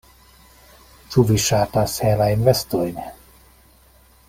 Ĉu vi ŝatas helajn vestojn?